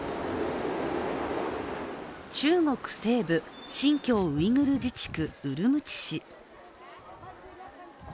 中国西部・新疆ウイグル自治区、ウルムチ市。